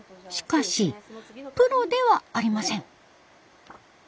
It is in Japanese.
しかしプロではありません。